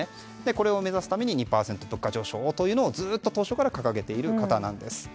これを目指すために２％物価上昇をと当初から掲げている方です。